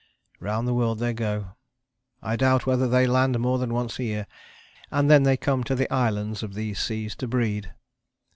Round the world they go. I doubt whether they land more than once a year, and then they come to the islands of these seas to breed.